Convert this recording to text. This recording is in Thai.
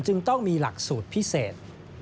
จึงต้องมีหลักสูตรพิเศษ